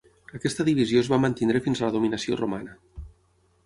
Aquesta divisió es va mantenir fins a la dominació romana.